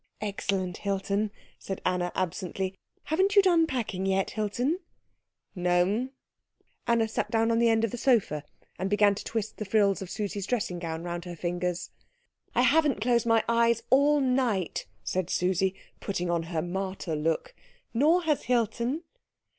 "Excellent Hilton," said Anna absently. "Haven't you done packing yet, Hilton?" "No, m'm." Anna sat down on the end of the sofa and began to twist the frills of Susie's dressing gown round her fingers. "I haven't closed my eyes all night," said Susie, putting on her martyr look, "nor has Hilton."